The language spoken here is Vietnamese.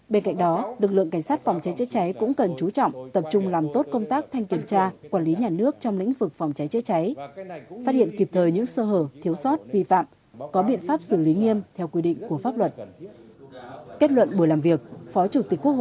bên cạnh đó lực lượng cảnh sát phòng cháy chữa cháy cũng cần chú trọng tập trung làm tốt công tác thanh kiểm tra quản lý nhà nước trong lĩnh vực phòng cháy chữa cháy phát hiện kịp thời những sơ hở thiếu sót vi phạm có biện pháp xử lý nghiêm theo quy định của pháp luật